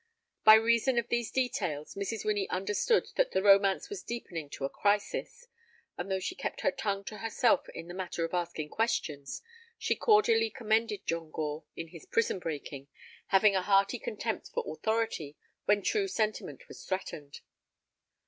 By reason of these details Mrs. Winnie understood that the romance was deepening to a crisis, and though she kept her tongue to herself in the matter of asking questions, she cordially commended John Gore in his prison breaking, having a hearty contempt for authority when true sentiment was threatened.